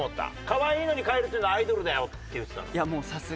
可愛いのに変えるっていうのはアイドルだよって言ってた。